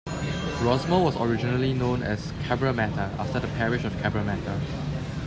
Rossmore was originally known as Cabramatta after the parish of Cabramatta.